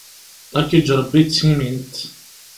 Ad k-iǧǧ Ṛebbi d timint!